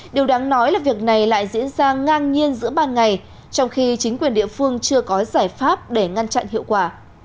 điều đáng nói là việc này lại diễn ra ngang nhiên giữa ban ngày trong khi chính quyền địa phương chưa có giải pháp để ngăn chặn hiệu quả